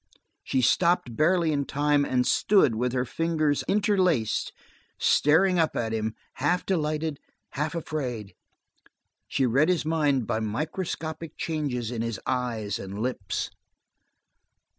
She stopped barely in time, and stood with her fingers interlaced, staring up at him, half delighted, half afraid. She read his mind by microscopic changes in his eyes and lips.